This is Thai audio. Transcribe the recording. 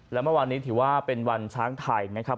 และเมื่อวานนี้ถือว่าเป็นวันช้างไทยนะครับ